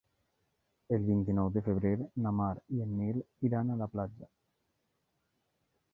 El vint-i-nou de febrer na Mar i en Nil iran a la platja.